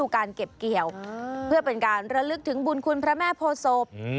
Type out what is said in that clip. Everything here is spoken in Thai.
การเก็บเกี่ยวเพื่อเป็นการระลึกถึงบุญคุณพระแม่โพศพ